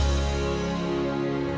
karena orang itu senangkan